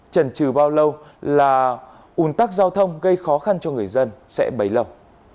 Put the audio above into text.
trần trừ bao lâu là ủn tắc giao thông gây khó khăn cho người dân sẽ bấy lâu